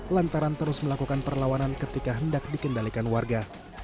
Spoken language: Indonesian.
lantaran terus melakukan perlawanan ketika hendak dikendalikan warga